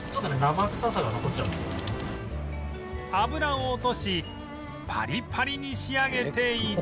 脂を落としパリパリに仕上げていく